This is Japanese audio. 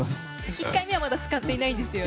１回目はまだ使ってないんですよね。